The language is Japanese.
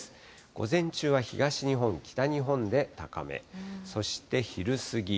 午前中は東日本、北日本で高め、そして昼過ぎ。